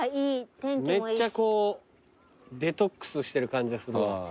めっちゃこうデトックスしてる感じはするわ。